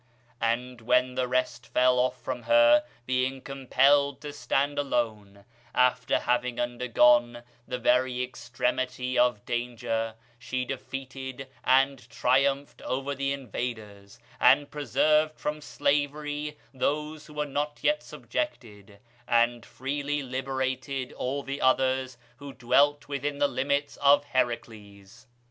And when the rest fell off from her, being compelled to stand alone, after having undergone the very extremity of danger, she defeated and triumphed over the invaders, and preserved from slavery those who were not yet subjected, and freely liberated all the others who dwelt within the limits of Heracles.